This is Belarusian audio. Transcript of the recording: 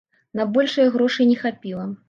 На большае грошай не хапіла.